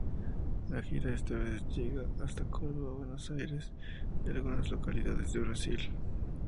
La gira esta vez llega hasta Córdoba, Buenos Aires y algunas localidades de Brasil.